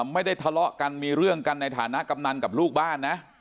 ไม่ได้ทะเลาะกันมีเรื่องกันในฐานะกำนันกับลูกบ้านนะ